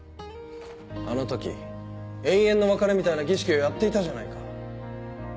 あの時永遠の別れみたいな儀式をやっていたじゃないか。